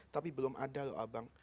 tapi belum ada loh abang